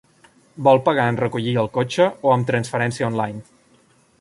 Vol pagar en recollir el cotxe o amb transferència online?